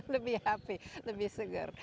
lebih happy lebih seger